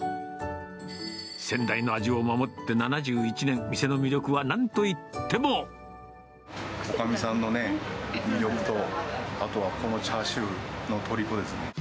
先代の味を守って７１年、おかみさんの魅力と、あとはこのチャーシューのとりこですね。